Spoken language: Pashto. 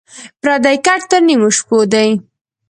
پردى کټ تر نيمو شپو دى.